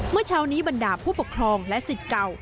เมื่อเช้านี้บรรดาผู้ปกครองและสิทธิ์เก่า